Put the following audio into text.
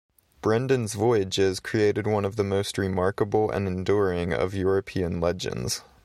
Brendan's voyages created one of the most remarkable and enduring of European legends.